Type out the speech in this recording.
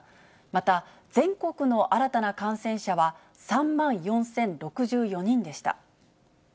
また、全国の新たな感染者は３万４０６４人でした。